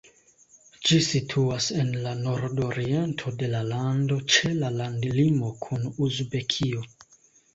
Ĝi situas en la nordoriento de la lando, ĉe la landlimo kun Uzbekio.